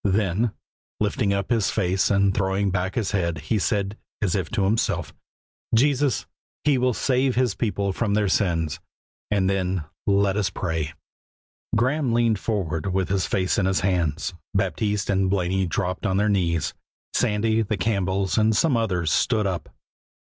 Then, lifting up his face and throwing back his head, he said, as if to himself, "Jesus! He shall save His people from their sins," and then, "Let us pray." Graeme leaned forward with his face in his hands; Baptiste and Blaney dropped on their knees; Sandy, the Campbells, and some others stood up.